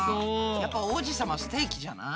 やっぱ王子様ステーキじゃない？